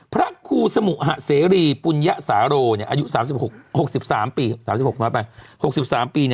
พระครูสมุหเสรีปุญยาสาโรอายุ๖๓ปี